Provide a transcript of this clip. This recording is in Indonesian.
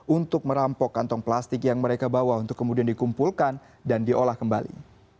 untuk merampok kantong plastik yang mereka bawa untuk kemudian dikumpulkan dan diolah kembali